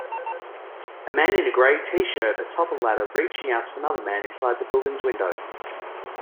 A man in a gray tshirt atop a ladder reaching out to another man inside the buildings window